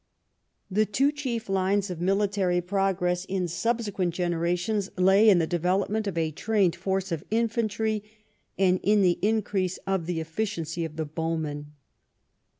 The two chief lines of military progress in subsequent generations lay in the development of a trained force of infantry and in the increase of the efficiency of the bowman.